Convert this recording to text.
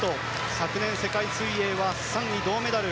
昨年の世界水泳は３位、銅メダル。